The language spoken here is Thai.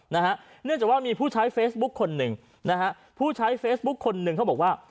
เนื่องจากว่ามีผู้ใช้เฟซบุ๊กคนหนึ่งเขาบอกว่า